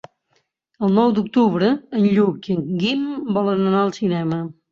El nou d'octubre en Lluc i en Guim volen anar al cinema.